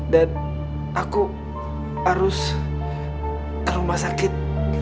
dan aku harus ke rumah sakit